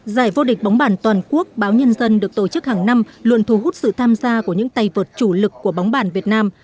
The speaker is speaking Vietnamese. giải vô địch bóng bàn toàn quốc báo nhân dân được tổ chức hàng năm luận thu hút sự tham gia của những tay vượt chủ lực của bóng bàn việt nam